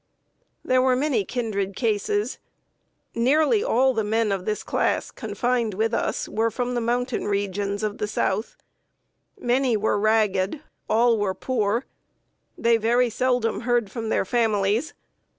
There were many kindred cases. Nearly all the men of this class confined with us were from mountain regions of the South. Many were ragged, all were poor. They very seldom heard from their families.